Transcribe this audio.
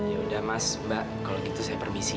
ya udah mas mbak kalau gitu saya permisi ya